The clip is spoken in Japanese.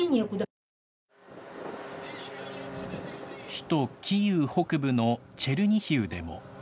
首都キーウ北部のチェルニヒウでも。